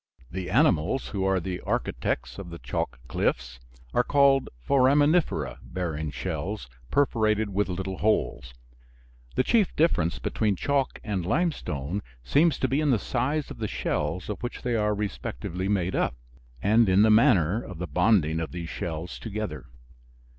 The animals who are the architects of the chalk cliffs are called "foraminifera" bearing shells perforated with little holes. The chief difference between chalk and limestone seems to be in the size of the shells of which they are respectively made up and in the manner of the bonding of these shells together.